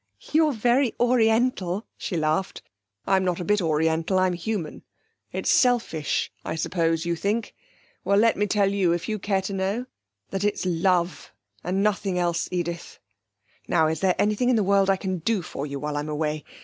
'You're very Oriental!' she laughed. 'I'm not a bit Oriental; I'm human. It's selfish, I suppose, you think? Well, let me tell you, if you care to know, that it's love, and nothing else, Edith....Now, is there anything in the world I can do for you while I'm away?